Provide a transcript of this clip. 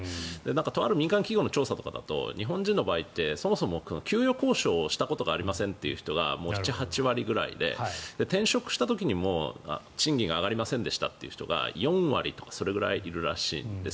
とある民間企業の調査だと日本人の場合そもそも給与交渉をしたことがありませんという人が７８割ぐらいで転職した時にも賃金が上がりませんでしたという人が４割とかそれくらいいるらしいんです。